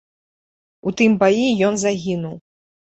У тым баі ён загінуў.